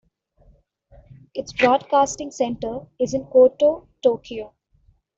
Its broadcasting center is in Koto, Tokyo.